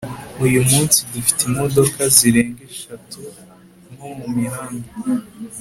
uyu munsi dufite imodoka zirenga eshatu nko mumihanda